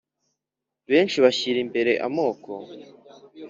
benshi bashyira imbere amoko